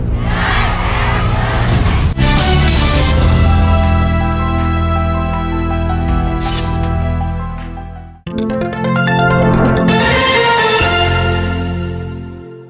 โปรดติดตามตอนต่อไป